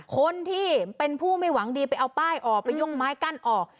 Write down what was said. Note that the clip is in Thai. คนที่เป็นผู้ไม่หวังดีไปเอาป้ายออกไปยุ่งไม้กั้นออก